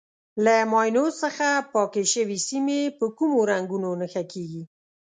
له ماینو څخه پاکې شوې سیمې په کومو رنګونو نښه کېږي.